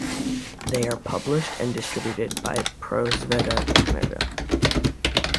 They are published and distributed by Prosveta-Canada.